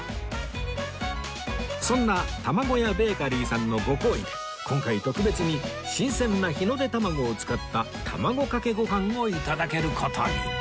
そんな ＴＡＭＡＧＯＹＡ ベーカリーさんのご厚意で今回特別に新鮮な日の出たまごを使った卵かけご飯を頂ける事に